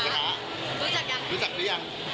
รู้จักหรือยัง